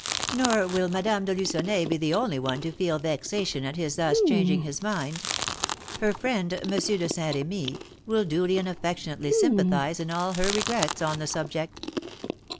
"Nor will Madame de Lucenay be the only one to feel vexation at his thus changing his mind; her friend, M. de St. Remy, will duly and affectionately sympathise in all her regrets on the subject."